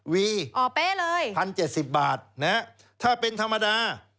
วี๑๐๗๐บาทนะครับถ้าเป็นธรรมดา